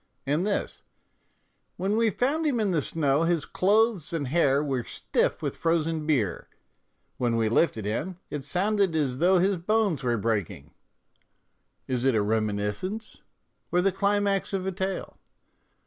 And this :" When we found him in the snow his clothes and hair were stiff with frozen beer ; when we lifted him it sounded as though his bones were breaking ": is it a reminiscence or the climax of a tale?